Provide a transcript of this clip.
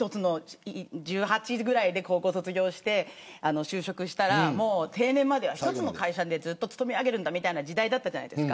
１８くらいで高校卒業して就職したら定年まで１つの会社に勤め上げるんだという時代だったじゃないですか。